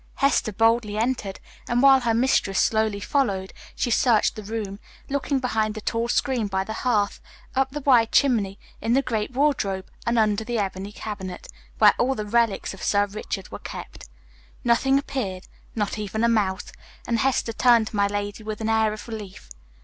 Hester boldly entered, and while her mistress slowly followed, she searched the room, looking behind the tall screen by the hearth, up the wide chimney, in the great wardrobe, and under the ebony cabinet, where all the relics of Sir Richard were kept. Nothing appeared, not even a mouse, and Hester turned to my lady with an air of relief.